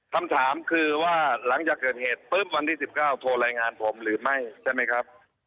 คำถามคือว่าหลังจากเกิดเหตุปุ๊บวันที่๑๙โทรรายงานผมหรือไม่ใช่ไหมครับ